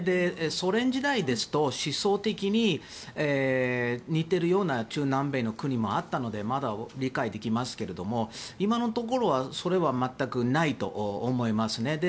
ソ連時代ですと思想的に似ているような中南米の国もあったのでまだ理解できますけど今のところはそれは全くないと思いますね。